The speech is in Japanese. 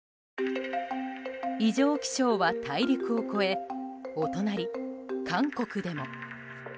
異常気象は大陸を越えお隣、韓国でも。